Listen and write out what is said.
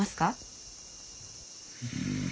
うん。